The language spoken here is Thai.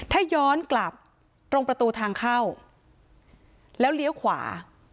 ถ้าย้อนกลับตรงประตูทางเข้าแล้วเลี้ยวขวา